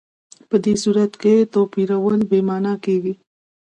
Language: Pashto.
په دې صورت کې توپیرول بې معنا کېږي.